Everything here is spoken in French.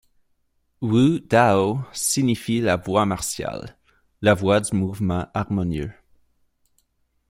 Wǔ Đạo signifie la voie martiale, la voie du mouvement harmonieux.